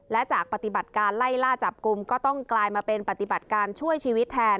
และจากปฏิบัติการไล่ล่าจับกลุ่มก็ต้องกลายมาเป็นปฏิบัติการช่วยชีวิตแทน